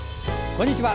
こんにちは。